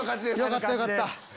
よかったよかった。